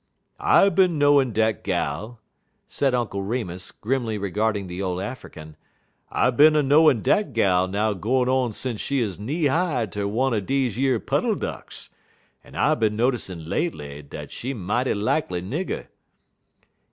"I bin a knowin' dat gal," said Uncle Remus, grimly regarding the old African; "I bin a knowin' dat gal now gwine on sence she 'uz knee high ter one er deze yer puddle ducks; en I bin noticin' lately dat she mighty likely nigger."